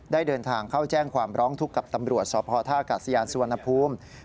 ได้เดินทางเข้าแจ้งความร้องทุกข์กับตำรวจสพท่ากาศยานสุวรรณภูมิ